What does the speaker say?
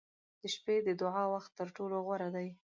• د شپې د دعا وخت تر ټولو غوره دی.